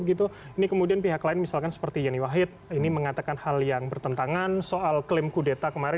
ini kemudian pihak lain misalkan seperti yeni wahid ini mengatakan hal yang bertentangan soal klaim kudeta kemarin